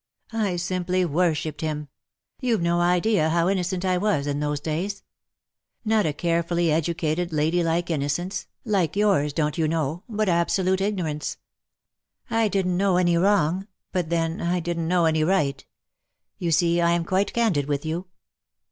I simply worshipped him. You've no idea how innocent I was in those days. Not a carefully educated, lady like innocence, like 286 "love is love for evermore." yours, don^t you know, but absolute ignorance. I didn^t know any wrong; but then I didn^t know any right. You see I am quite candid with you.